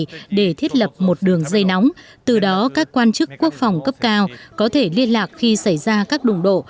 trong ba mươi ngày để thiết lập một đường dây nóng từ đó các quan chức quốc phòng cấp cao có thể liên lạc khi xảy ra các đụng độ